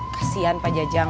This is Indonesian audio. kasian pak jajang